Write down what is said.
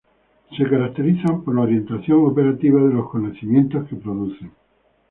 Se caracterizan por la orientación operativa de los conocimientos que producen.